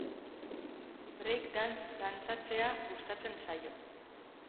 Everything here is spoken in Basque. Break dance dantzatzea gustatzen zaio.